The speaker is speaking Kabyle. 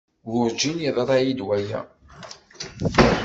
Werjin yeḍra-iyi-d waya.